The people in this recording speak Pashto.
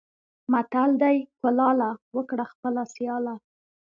متل دی: کلاله! وکړه خپله سیاله.